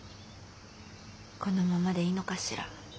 このままでいいのかしら。